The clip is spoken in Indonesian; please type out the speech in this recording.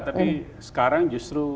tapi sekarang justru